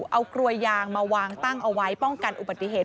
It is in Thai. เอากลวยยางมาวางตั้งเอาไว้ป้องกันอุบัติเหตุ